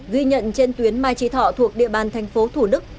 ghi nhận trên tuyến mai trị thọ thuộc địa bàn tp thủ đức